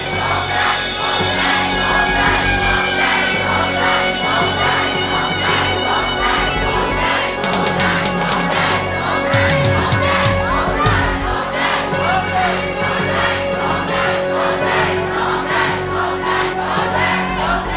โชคได้โชคได้โชคได้โชคได้